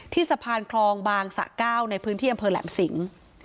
สะพานคลองบางสะเก้าในพื้นที่อำเภอแหลมสิง